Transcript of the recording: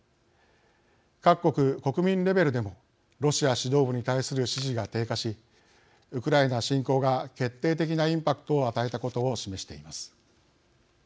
各国国民レベルでもロシア指導部に対する支持が低下しウクライナ侵攻が決定的なインパクトを与えたことを示しています。